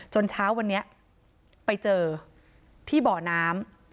เช้าวันนี้ไปเจอที่บ่อน้ำ